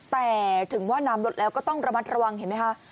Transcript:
แต่ถึงว่าน้ำลดแล้วก็ต้องระมัดระวังเห็นไหมคะ